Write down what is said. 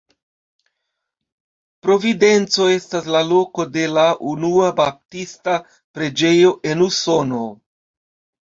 Providenco estas la loko de la unua baptista preĝejo en Usono.